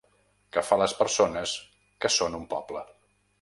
Que fa les persones que són un poble.